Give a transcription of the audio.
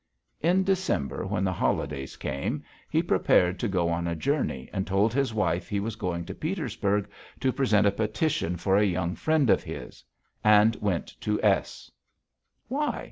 In December when the holidays came he prepared to go on a journey and told his wife he was going to Petersburg to present a petition for a young friend of his and went to S. Why?